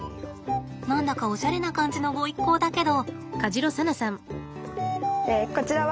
何だかおしゃれな感じのご一行だけど？